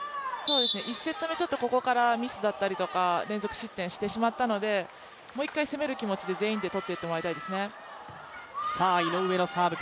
１セット目、ここからミスだったりとか連続失点してしまったので、もう一回、攻める気持ちで全員で取っていってほしいですね。